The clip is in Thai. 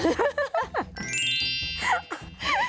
ฮ่า